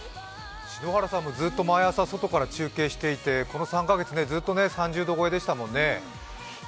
篠原さんもずっと毎朝外から中継していてこの３か月ずっと３０度超えでしたもんね。